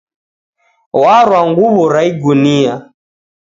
W'arwa nguw'o ra igunia.